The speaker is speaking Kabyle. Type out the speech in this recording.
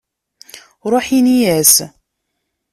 Ruḥ, in-as!